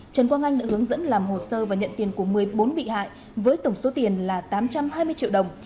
trần quang anh đã hướng dẫn làm hồ sơ và nhận tiền của một mươi bốn bị hại với tổng số tiền là tám trăm hai mươi triệu đồng